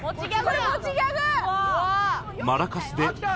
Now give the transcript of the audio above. これ持ちギャグ！